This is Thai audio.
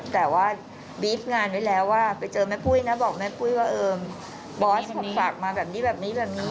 แต่ว่าบีฟงานไว้แล้วว่าไปเจอแม่ปุ้ยนะบอกแม่ปุ้ยว่าเออบอสฝากมาแบบนี้แบบนี้แบบนี้